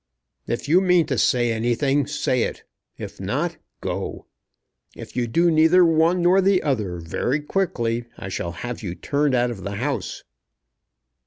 "If you mean to say anything, say it. If not, go. If you do neither one nor the other very quickly, I shall have you turned out of the house."